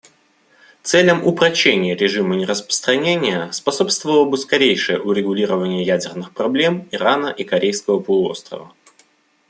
Целям упрочения режима нераспространения способствовало бы скорейшее урегулирование ядерных проблем Ирана и Корейского полуострова.